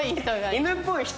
犬っぽい人？